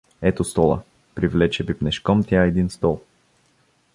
Ето стола, — привлече пипнешком тя един стол.